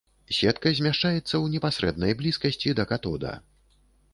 Сетка змяшчаецца ў непасрэднай блізкасці да катода.